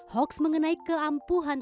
hoaks mengenai keampuhan